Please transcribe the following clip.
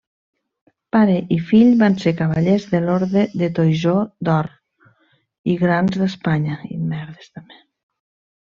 Pare i fill van ser cavallers de l'Orde del Toisó d'Or i Grans d'Espanya.